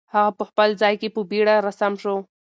هغه په خپل ځای کې په بیړه را سم شو.